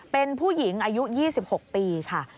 เป็นผู้หญิงอายุ๒๖ปีค่ะ